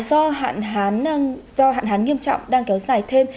do hạn hán nghiêm trọng đang kéo dài thêm